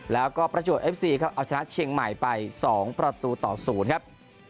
แล้วก็ประจวบเอฟซีครับเอาชนะเชียงใหม่ไป๒ประตูต่อ๐ครับ